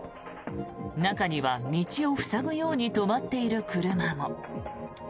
中には、道を塞ぐように止まっている車も。